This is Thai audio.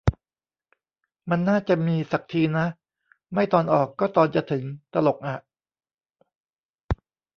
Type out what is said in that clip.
มันน่าจะมี สักทีนะ ไม่ตอนออกก็ตอนจะถึง ตลกอะ